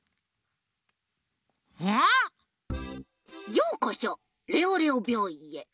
ようこそレオレオびょういんへ。